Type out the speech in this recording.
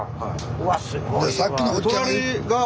うわすごいわ。